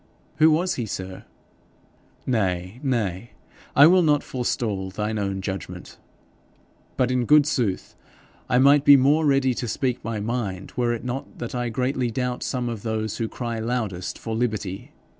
'Who was he, sir?' 'Nay, nay, I will not forestall thine own judgment. But, in good sooth, I might be more ready to speak my mind, were it not that I greatly doubt some of those who cry loudest for liberty.